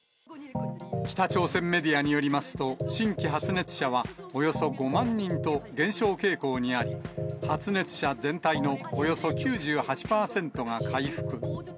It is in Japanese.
北朝鮮メディアによりますと、新規発熱者はおよそ５万人と減少傾向にあり、発熱者全体のおよそ９８％が回復。